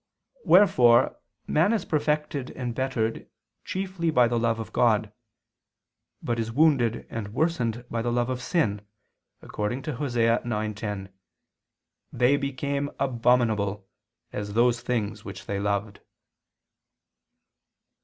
Wherefore man is perfected and bettered chiefly by the love of God: but is wounded and worsened by the love of sin, according to Osee 9:10: "They became abominable, as those things which they loved."